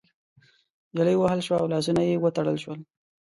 نجلۍ ووهل شوه او لاسونه يې وتړل شول.